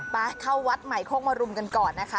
ไปเข้าวัดใหม่โคกมรุมกันก่อนนะคะ